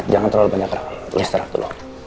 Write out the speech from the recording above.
jangan terlalu banyak istirahat dulu